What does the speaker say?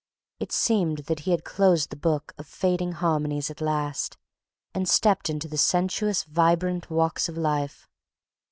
it seemed that he had closed the book of fading harmonies at last and stepped into the sensuous vibrant walks of life.